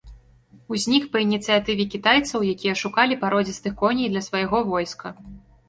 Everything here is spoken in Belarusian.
Узнік па ініцыятыве кітайцаў, якія шукалі пародзістых коней для свайго войска.